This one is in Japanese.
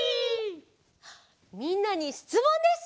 みんなにしつもんです！